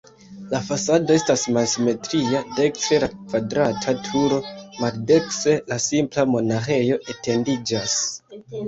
La fasado estas malsimetria, dekstre la kvadrata turo, maldekstre la simpla monaĥejo etendiĝas.